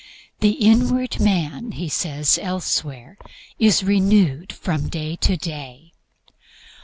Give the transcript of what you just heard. "The inward man," he says elsewhere, "is renewed from day to day."